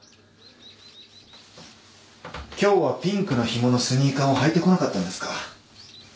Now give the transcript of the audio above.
今日はピンクのひものスニーカーを履いてこなかったんですか？